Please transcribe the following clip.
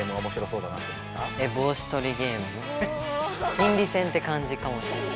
心理戦ってかんじかもしれない。